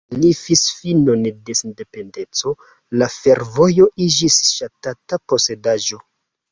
Tio ankaŭ signifis finon de sendependeco, la fervojo iĝis ŝtata posedaĵo.